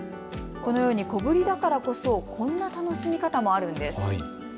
このように小ぶりだからこそこんな楽しみ方もあるんです。